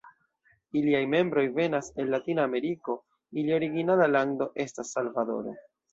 Iliaj membroj venas el latina ameriko, ilia originala lando estas Salvadoro.